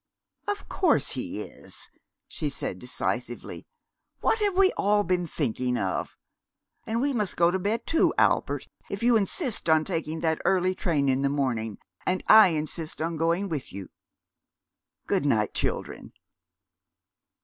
"Of course he is," she said decisively. "What have we all been thinking of? And we must go to bed, too, Albert, if you insist on taking that early train in the morning, and I insist on going with you. Good night, children."